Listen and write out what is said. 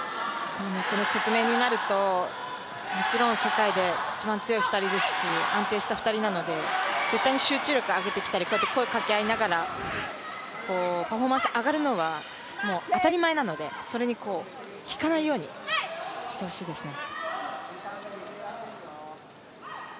この局面になると、もちろん世界で一番強い２人ですし安定した２人なので、絶対に集中力を上げてきたり、こうやって声をかけ合いながらパフォーマンスが上がるのはもう当たり前なので、それに引かないようにしてほしいですね。